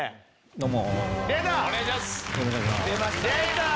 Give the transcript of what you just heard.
どうも。